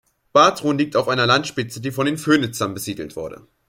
Batrun liegt auf einer Landspitze, die von den Phöniziern besiedelt wurde.